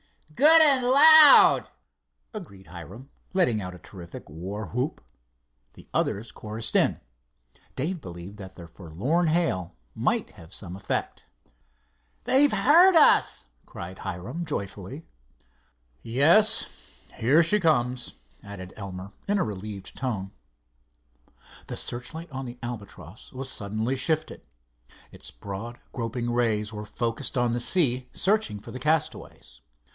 "Good and loud!" agreed Hiram, letting out a terrific warwhoop. The others chorused in. Dave believed that their forlorn hail might have some effect. "They've heard us," cried Hiram, joyfully. "Yes, here she comes," added Elmer, in a relieved tone. The searchlight on the Albatross was suddenly shifted. Its broad, groping rays were focussed on the sea, searching for the castaways.